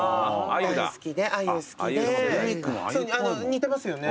「似てますよね」